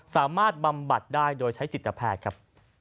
สามารถบำบัดได้โดยใช้สิทธิแพทย์ครับ